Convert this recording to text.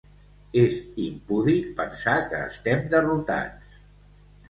És impúdic pensar que estem derrotats.